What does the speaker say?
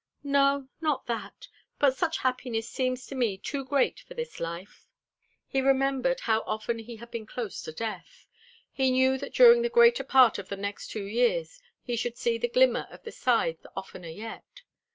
"No, not that. But such happiness seems to me too great for this life." He remembered how often he had been close to death; he knew that during the greater part of the next two years he should see the glimmer of the scythe oftener yet.